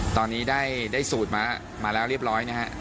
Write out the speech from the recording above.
ตอนนี้ได้สูตรมาแล้วเรียบร้อยนะฮะ